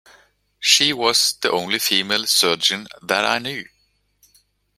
She was the only female surgeon that I knew.